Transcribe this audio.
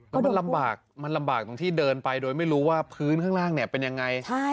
ก็มันลำบากมันลำบากตรงที่เดินไปโดยไม่รู้ว่าพื้นข้างล่างเนี่ยเป็นยังไง